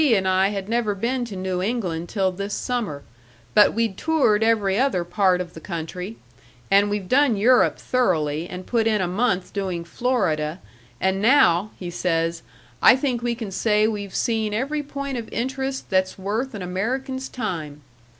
and I had never been to New England till this summer, but we'd toured every other part of the country, and we've done Europe thoroughly and put in a month doing Florida, and now,' he says, 'I think we can say we've seen every point of interest that's worth an American's time.'